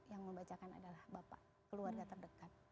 yang membacakan adalah bapak keluarga terdekat